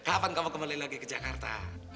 kapan kamu kembali lagi ke jakarta